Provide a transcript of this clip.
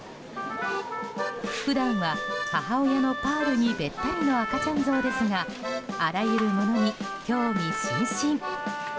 普段は母親のパールにべったりの赤ちゃんゾウですがあらゆるものに興味津々。